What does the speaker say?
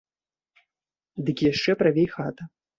Дык яшчэ правей хата.